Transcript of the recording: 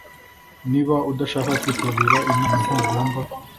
Niba udashaka kwitabira inama ntugomba